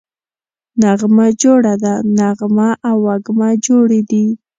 نغمه جوړه ده → نغمه او وږمه جوړې دي